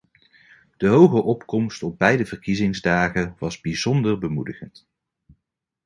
De hoge opkomst op beide verkiezingsdagen was bijzonder bemoedigend.